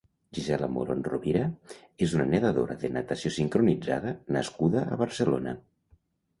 Gisela Morón Rovira és una nedadora de natació sincronitzada nascuda a Barcelona.